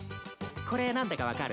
これ何だか分かる？